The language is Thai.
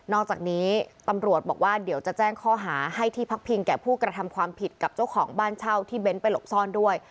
อกจากนี้ตำรวจบอกว่าเดี๋ยวจะแจ้งข้อหาให้ที่พักพิงแก่ผู้กระทำความผิดกับเจ้าของบ้านเช่าที่เบ้นไปหลบซ่อนด้วย